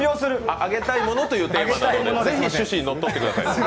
あげたいものというテーマなので、ぜひ趣旨にのっとってください。